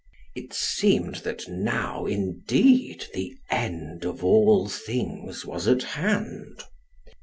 It seemed that now, indeed, the end of all things was at hand.